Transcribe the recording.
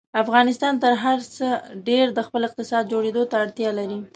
افغانستان تر هر څه ډېر د خپل اقتصاد جوړېدو ته اړتیا لري.